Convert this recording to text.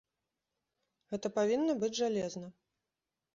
Гэта павінна быць жалезна.